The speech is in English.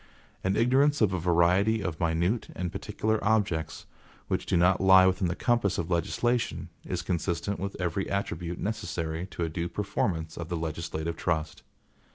An ignorance of a variety of minute and particular objects, which do not lie within the compass of legislation, is consistent with every attribute necessary to a due performance of the legislative trust.